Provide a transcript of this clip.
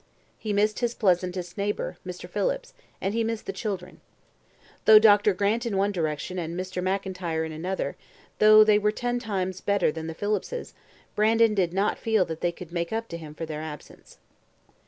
He missed his pleasantest neighbour, Mr. Phillips, and he missed the children. Though Dr. Grant in one direction, and Mr. M'Intyre in another, thought they were ten times better than the Phillipses, Brandon did not feel that they could make up to him for their absence.